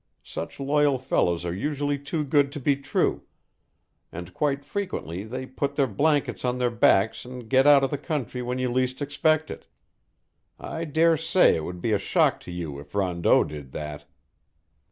Such loyal fellows are usually too good to be true, and quite frequently they put their blankets on their backs and get out of the country when you least expect it. I dare say it would be a shock to you if Rondeau did that."